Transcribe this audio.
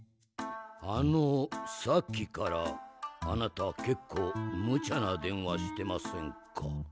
あのさっきからあなたけっこうむちゃなでんわしてませんか？